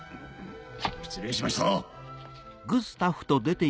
失礼しました！